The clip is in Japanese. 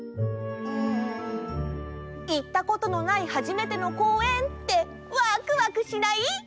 うん。いったことのない初めてのこうえんってわくわくしない？